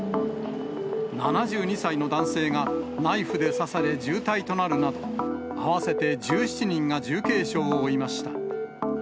７２歳の男性が、ナイフで刺され、重体となるなど、合わせて１７人が重軽傷を負いました。